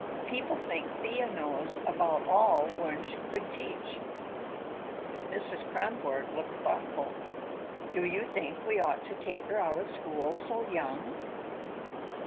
People think Thea knows about all Wunsch could teach." Mrs. Kronborg looked thoughtful. "Do you think we ought to take her out of school so young?"